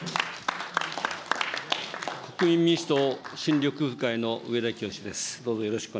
国民民主党・新緑風会の上田清司です。